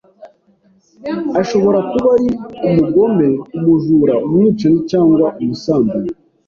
ashobora kuba ari umugome, umujura, umwicanyi cyangwa umusambanyi